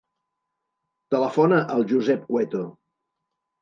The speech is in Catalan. Telefona al Josep Cueto.